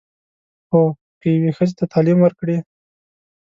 خو که یوې ښځې ته تعلیم ورکړې.